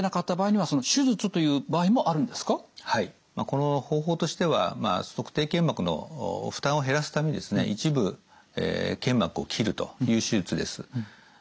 この方法としては足底腱膜の負担を減らすためにですね一部腱膜を切るという手術です。